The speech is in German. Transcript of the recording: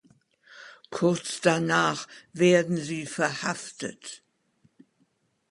Kurz danach werden sie verhaftet.